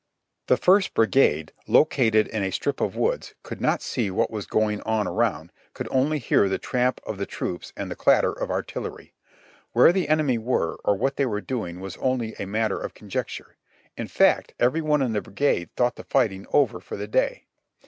The First Brigade, located in a strip of woods, could not see what was going on around, could only hear the tramp of the troops and the clatter of artillery. Where the enemy were or what they were doing was only a matter of conjecture; in fact e\ery one in the brigade thought the fighting over for the day.